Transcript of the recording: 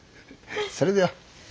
それでは。